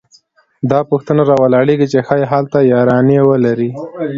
دا پوښتنه راولاړېږي چې ښايي هلته یارانې ولري